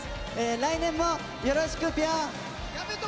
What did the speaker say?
来年もよろしくピョン！